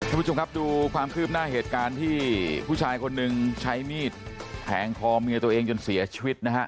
คุณผู้ชมครับดูความคืบหน้าเหตุการณ์ที่ผู้ชายคนหนึ่งใช้มีดแทงคอเมียตัวเองจนเสียชีวิตนะฮะ